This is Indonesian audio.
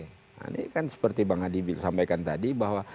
nah ini kan seperti bang hadi sampaikan tadi bahwa